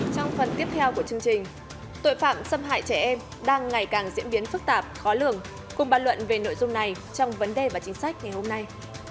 trong phần tiếp theo của chương trình tội phạm xâm hại trẻ em đang ngày càng diễn biến phức tạp khó lường cùng bàn luận về nội dung này trong vấn đề và chính sách ngày hôm nay